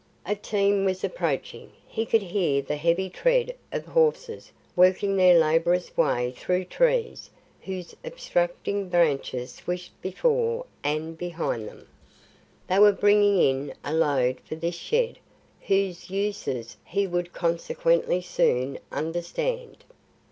A team was approaching. He could hear the heavy tread of horses working their laborious way through trees whose obstructing branches swished before and behind them. They were bringing in a load for this shed, whose uses he would consequently soon understand.